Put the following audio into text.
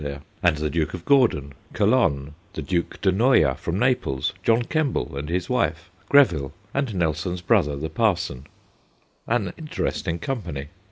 there, and the Duke of Gordon, Calonne, the Duke de Noia from Naples, John Kemble and his wife, Greville, and Nelson's brother the parson an interesting company.